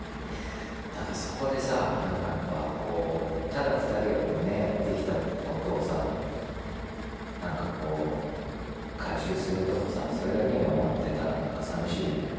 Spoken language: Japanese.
だからそこでさ何かやっぱこうただ２人がこうねやってきたことをさ何かこう回収するとかさそれだけに終わってたら何かさみしいじゃない。